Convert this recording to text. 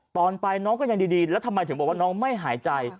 ตอนไปน้องก็ยังดีแล้วทำไมถึงบอกว่าน้องไม่หายใจ